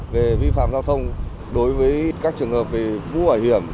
về vi phạm giao thông đối với các trường hợp về mũ bảo hiểm